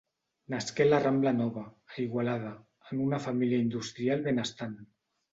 Nasqué a la rambla Nova, a Igualada, en una família industrial benestant.